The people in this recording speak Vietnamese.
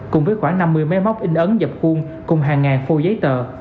cùng với khoảng năm mươi máy móc in ấn dập khuôn cùng hàng ngàn phô giấy tờ